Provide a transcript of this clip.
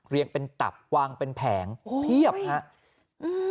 เป็นตับวางเป็นแผงเพียบครับ